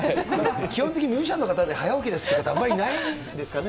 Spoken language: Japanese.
基本的にミュージシャンの方で早起きですっていう方、あんまりいないんですかね。